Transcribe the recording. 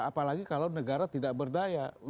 apalagi kalau negara tidak berdaya